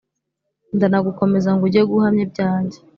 ndanagukomeza ngo ujye guhamya ibyanjye